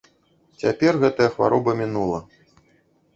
Цяпер гэтая хвароба мінула.